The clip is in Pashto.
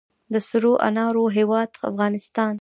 د سرو انارو هیواد افغانستان.